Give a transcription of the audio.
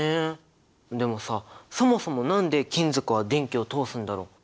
でもさそもそも何で金属は電気を通すんだろう？